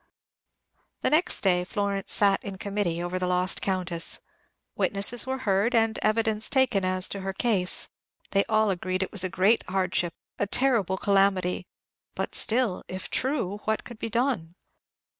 The next day Florence sat in committee over the lost Countess. Witnesses were heard and evidence taken as to her case. They all agreed it was a great hardship, a terrible calamity; but still, if true, what could be done?